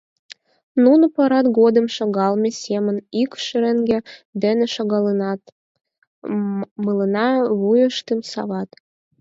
Нуно, парад годым шогалме семын, ик шеренге дене шогалынытат, мыланна вуйыштым сават.